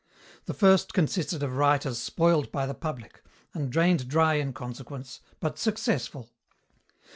The first consisted of writers spoiled by the public, and drained dry in consequence, but "successful."